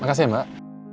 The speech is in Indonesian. makasih ya mbak